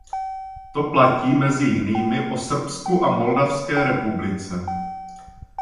To platí, mezi jinými, o Srbsku a Moldavské republice.